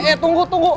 eh tunggu tunggu